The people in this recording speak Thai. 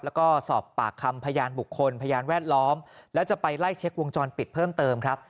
แล้วก็สอบปากคำพยานบุคคลพยานแวดล้อมแล้วจะไปไล่เช็ควงจรปิดเพิ่มเติมครับ